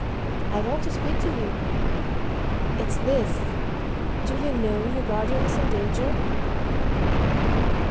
I want to speak to you. It's this do you know your guardian is in danger?"